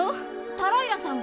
タライラさんが？